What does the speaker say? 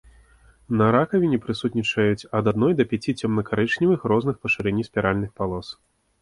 На ракавіне прысутнічаюць ад адной да пяці цёмна-карычневых розных па шырыні спіральных палос.